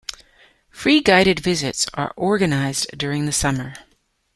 Free guided visits are organised during the summer.